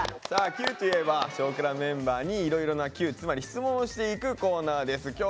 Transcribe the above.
さあ「Ｑ」といえば「少クラ」メンバーにいろいろな「Ｑ」つまり質問をしていくコーナーです。